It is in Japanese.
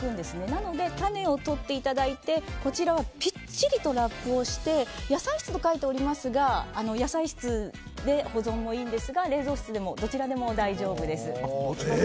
なので、種をとっていただいてぴっちりとラップをして野菜室と書いておりますが野菜室で保存でもいいんですが冷蔵室でもどちらでも大丈夫です。